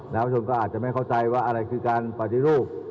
แล้วชนก็อาจจะไม่เข้าใจว่าอะไรคือการปฏิรูป